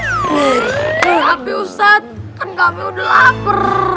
tapi ustadz kan kami udah lapar